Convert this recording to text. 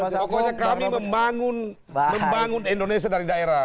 pokoknya kami membangun indonesia dari daerah